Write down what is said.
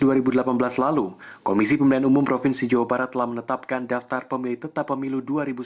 pada dua ribu delapan belas lalu komisi pemilihan umum provinsi jawa barat telah menetapkan daftar pemilih tetap pemilu dua ribu sembilan belas